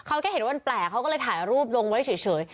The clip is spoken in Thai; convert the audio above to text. เขาแค่เห็นว่ามันแปลกเขาก็เลยถ่ายรูปลงไว้เฉย